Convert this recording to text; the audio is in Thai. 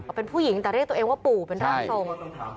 เป็นผู้หญิงแต่เรียกตัวเองว่าปู่เป็นร่างทรง